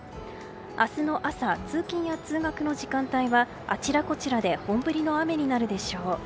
明日の朝、通勤や通学の時間帯はあちらこちらで本降りの雨になるでしょう。